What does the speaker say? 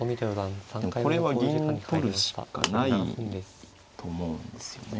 でもこれは銀取るしかないと思うんですよね。